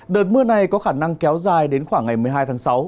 đợt mưa này có khả năng kéo dài đến khoảng ngày một mươi hai tháng sáu